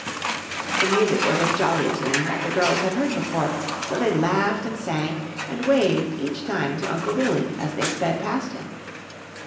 The music was a jolly tune that the girls had heard before, so they laughed and sang and waved each time to Uncle Billy as they sped past him.